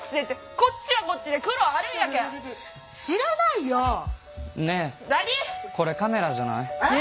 これカメラじゃない？えっ！？